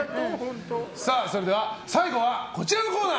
それでは最後はこちらのコーナー。